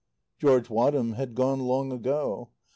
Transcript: George Wadham had gone long ago.